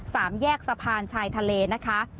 สามแยกสะพานชายทะเลนะคะ